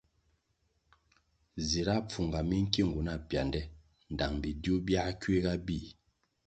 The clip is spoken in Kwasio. Zira pfunga minkiungu na piande ndtang bidiuh biah kuiga bíh.